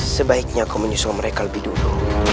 sebaiknya kau menyusul mereka lebih dulu